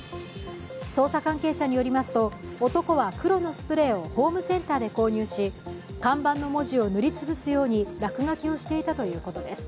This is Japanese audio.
捜査関係者によりますと男は黒のスプレーをホームセンターで購入し看板の文字を塗りつぶすように落書きをしていたということです。